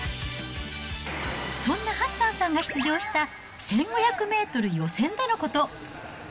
そんなハッサンさんが出場した１５００メートル予選でのこと。